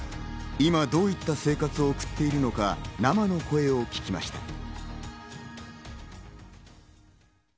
今どういった生活を送っているのか、生の声を聞きました。